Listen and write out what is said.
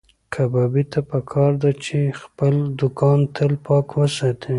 کبابي ته پکار ده چې خپل دوکان تل پاک وساتي.